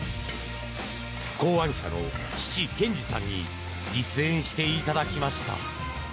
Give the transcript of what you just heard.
考案者の父・兼二さんに実演していただきました。